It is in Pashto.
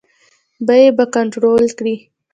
بیې به کنټرول کړي.